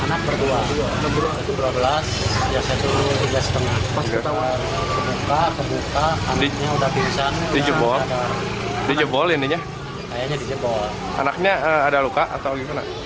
anaknya ada luka atau gimana